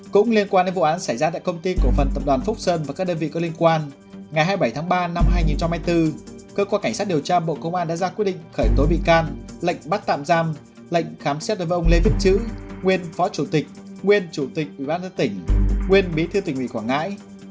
cũng liên quan đến vụ án xảy ra tại công ty cổ phần tập đoàn phúc sơn và các đơn vị có liên quan ngày hai mươi bảy tháng ba năm hai nghìn hai mươi bốn cơ quan cảnh sát điều tra bộ công an đã ra quyết định khởi tố bị can lệnh bắt tạm giam lệnh khám xét đối với ông lê viết chữ nguyên phó chủ tịch nguyên chủ tịch ubnd tỉnh nguyên bí thư tỉnh ủy quảng ngãi